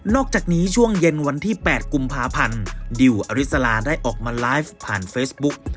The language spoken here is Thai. อกจากนี้ช่วงเย็นวันที่๘กุมภาพันธ์ดิวอริสลาได้ออกมาไลฟ์ผ่านเฟซบุ๊ก